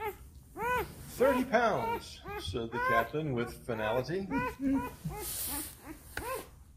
Thirty pounds, said the captain with finality.